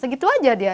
segitu saja dia